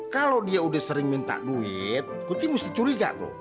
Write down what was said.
kalau dia udah sering minta duit kuti mesti curiga tuh